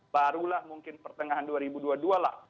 barulah mungkin pertengahan dua ribu dua puluh dua lah